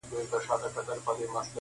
• له کلو مي نمک خور پر دسترخوان دي -